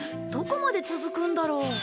どこまで続くんだろう？